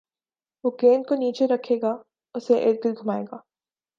وہ گیند کو نیچے رکھے گا اُسے اردگرد گھمائے گا